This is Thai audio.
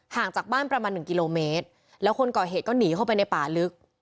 จากบ้านประมาณหนึ่งกิโลเมตรแล้วคนก่อเหตุก็หนีเข้าไปในป่าลึก